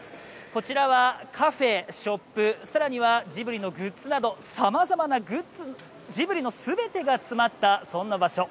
こちらはカフェ、ショップさらにはジブリのグッズなどさまざまなジブリの全てが詰まったそんな場所